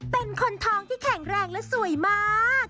เป็นคนทองที่แข็งแรงและสวยมาก